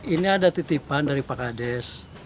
ini ada titipan dari pak kades